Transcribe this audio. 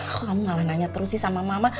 kok kamu malah nanya terus sih sama mama